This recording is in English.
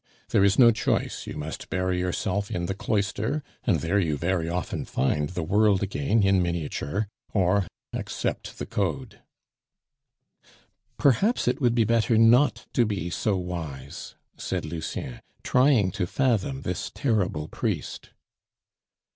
There is no choice, you must bury yourself in the cloister (and there you very often find the world again in miniature) or accept the Code." "Perhaps it would be better not to be so wise," said Lucien, trying to fathom this terrible priest.